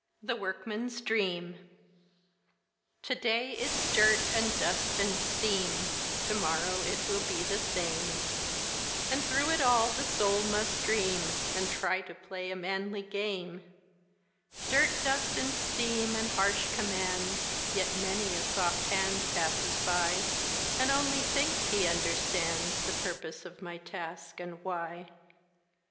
THE WORKMAN'S DREAM To day it's dirt and dust and steam, To morrow it will be the same, And through it all the soul must dream And try to play a manly game; Dirt, dust and steam and harsh commands, Yet many a soft hand passes by And only thinks he understands The purpose of my task and why.